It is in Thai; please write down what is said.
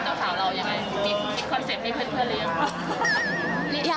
คอนเซ็ปต์นี้เพื่อนหรือยัง